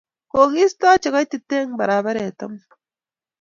Kokiistai chekoititeng barabaret amut